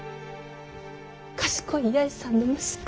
賢い八重さんの息子。